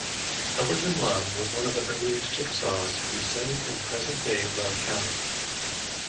Overton Love was one of the earliest Chickasaws who settled in present-day Love County.